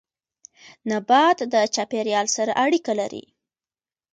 نبات د چاپيريال سره اړيکه لري